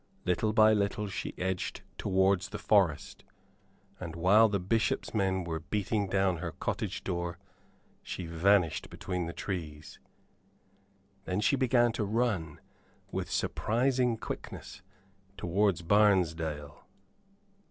Little by little she edged towards the forest, and while the Bishop's men were beating down her cottage door she vanished between the trees. Then she began to run, with surprising quickness, towards Barnesdale.